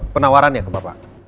penawarannya ke bapak